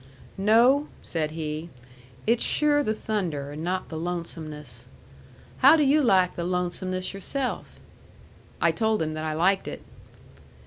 "No," said he. "It's sure the thunder, and not the lonesomeness. How do yu' like the lonesomeness yourself?" I told him that I liked it.